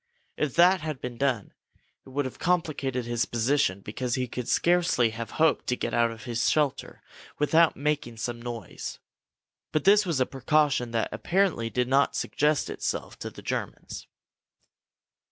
If that had been done, it would have complicated his position, because he could scarcely have hoped to get out of his shelter without making some noise. But this was a precaution that apparently did not suggest itself to the Germans.